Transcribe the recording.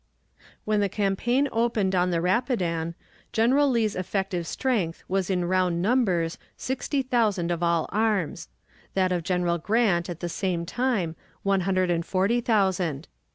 When the campaign opened on the Rapidan, General Lee's effective strength was in round numbers sixty thousand of all arms; that of General Grant at the same time one hundred and forty thousand.